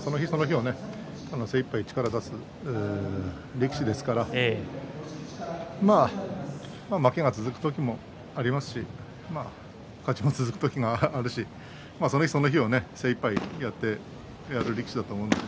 その日その日を精いっぱい力を出す力士ですから負けが続く時もありますし勝ちが続く時もあるしその日その日を精いっぱいやっていく力士だと思います。